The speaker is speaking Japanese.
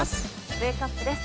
ウェークアップです。